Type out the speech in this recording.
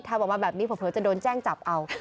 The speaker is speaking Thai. ทำออกมาแบบนี้เผลอจะโดนแจ้งจับเอา